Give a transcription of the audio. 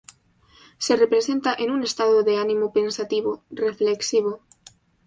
Se representa en un estado de ánimo pensativo, reflexivo.